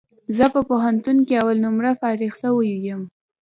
زه په پوهنتون کي اول نمره فارغ سوی یم